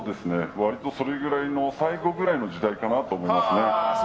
割とそれくらいの最後ぐらいの時代かなと思いますね。